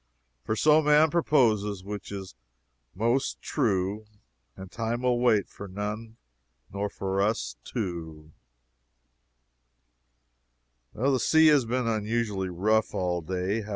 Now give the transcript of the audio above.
For so man proposes, which it is most true And time will wait for none, nor for us too." The sea has been unusually rough all day.